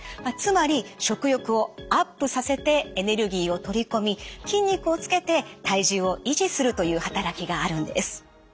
つまり食欲をアップさせてエネルギーを取り込み筋肉をつけて体重を維持するという働きがあるんです。